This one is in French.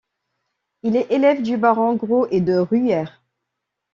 Il est élève du baron Gros et de Ruhière.